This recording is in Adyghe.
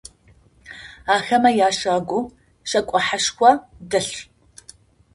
Ахэмэ ящагу шэкӏо хьэшхо дэлъ.